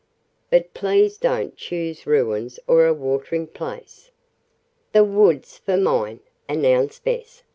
"But please don't choose ruins or a watering place." "The woods for mine," announced Bess.